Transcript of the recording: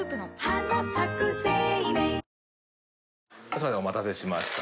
要介）お待たせしました。